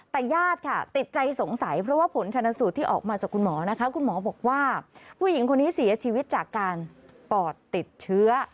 แต่ญาติค่ะติดใจสงสัยเพราะว่าผลชนสูตรที่ออกมาจากคุณหมอนะคะคุณหมอบอกว่าผู้หญิงคนนี้เสียชีวิตจากการปอดติดเชื้อ